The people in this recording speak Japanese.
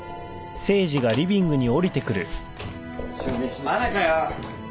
☎飯まだかよ。